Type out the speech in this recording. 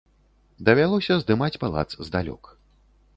Давялося здымаць палац здалёк.